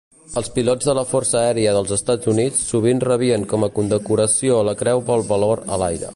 Els pilots de la Força Aèria dels Estats Units sovint rebien com a condecoració la Creu pel valor a l'aire.